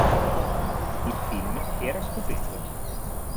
Il film era stupendo.